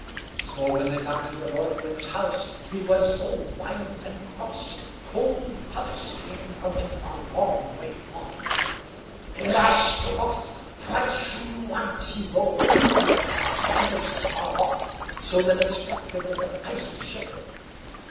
So when they got to the North Wind's house, he was so wild and cross, cold puffs came from him a long way off. "BLAST YOU BOTH, WHAT DO YOU WANT?" he roared out to them ever so far off, so that it struck them with an icy shiver.